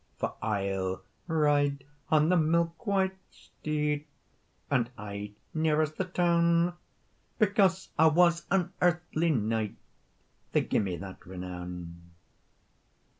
"For I'll ride on the milk white steed, And ay nearest the town; Because I was an earthly knight They gie me that renown.